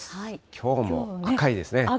きょうも赤いですね。